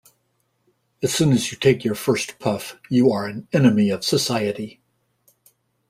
As soon as you take your first puff, you are an enemy of society.